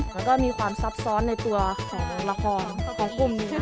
แล้วก็มีความซับซ้อนในตัวของละครของกลุ่มหนึ่ง